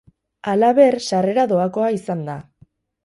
Halaber, sarrera doakoa izan da.